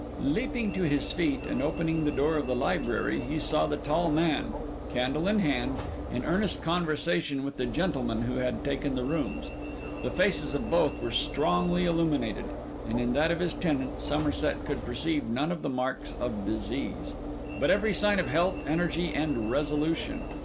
Leaping to his feet, and opening the door of the library, he saw the tall man, candle in hand, in earnest conversation with the gentleman who had taken the rooms. The faces of both were strongly illuminated; and in that of his tenant, Somerset could perceive none of the marks of disease, but every sign of health, energy, and resolution.